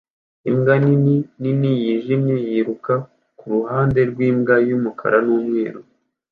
imbwa nini nini yijimye yiruka kuruhande rwimbwa yumukara numweru